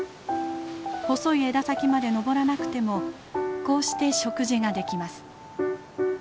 細い枝先まで登らなくてもこうして食事ができます。